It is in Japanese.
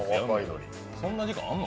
そんな時間あんの？